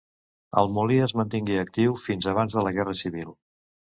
El molí es mantingué actiu fins abans de la Guerra Civil.